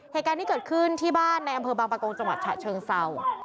เหตุการณ์ที่เกิดขึ้นที่บ้านในอำเภอบางประกงจังหวัดฉะเชิงเศร้า